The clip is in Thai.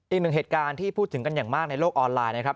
อีกหนึ่งเหตุการณ์ที่พูดถึงกันอย่างมากในโลกออนไลน์นะครับ